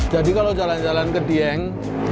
jadi kalau jalan jalan ke dieng